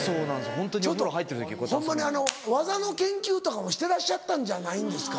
ホンマに技の研究とかもしてらっしゃったんじゃないんですか？